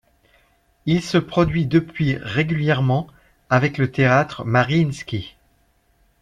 Il se produit depuis régulièrement avec le Théâtre Mariinsky.